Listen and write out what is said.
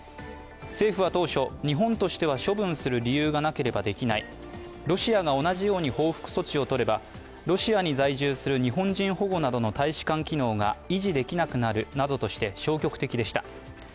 政府は当初、日本としては処分する理由がなければできない、ロシアが同じように報復措置をとればロシアに在住する日本人保護などの大使館機能が維持できなくなるなどとして消極的でした。